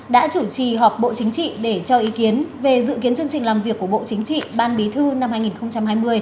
đã chủ trì họp bộ chính trị để cho ý kiến về dự kiến chương trình làm việc của bộ chính trị ban bí thư năm hai nghìn hai mươi